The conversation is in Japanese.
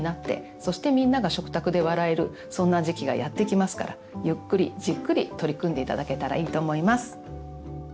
そしてみんなが食卓で笑えるそんな時期がやって来ますからゆっくりじっくり取り組んで頂けたらいいと思います。